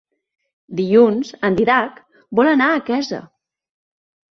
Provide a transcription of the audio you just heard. Dilluns en Dídac vol anar a Quesa.